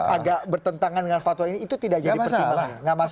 agak bertentangan dengan fatwa ini itu tidak jadi pertimbangan